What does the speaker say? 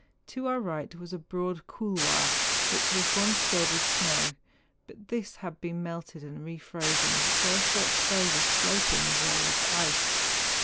To our right was a broad couloir, which was once filled mth snow, but this had been melted and re frozen, so as to expose a sloping wall of ice.